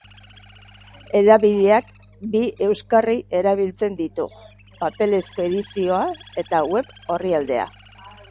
Hedabideak bi euskarri erabiltzen ditu, paperezko edizioa eta web orrialdea.